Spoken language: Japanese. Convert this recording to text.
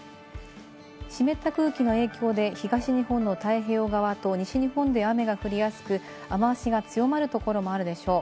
湿った空気の影響で東日本の太平洋側と西日本で雨が降りやすく、雨脚が強まるところもあるでしょう。